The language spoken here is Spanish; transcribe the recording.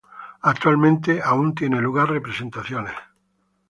Actualmente aún tienen lugar representaciones.